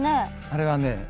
あれはね